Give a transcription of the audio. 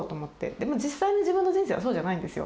でも実際の自分の人生はそうじゃないんですよ。